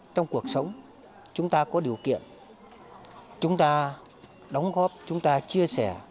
trong cuộc sống chúng ta có điều kiện chúng ta đóng góp chúng ta chia sẻ